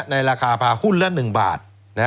ในราคาพาหุ้นละ๑บาท